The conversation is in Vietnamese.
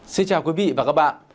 xin chào quý vị và các bạn